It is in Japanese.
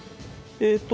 えっと